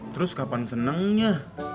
terus kapan senengnya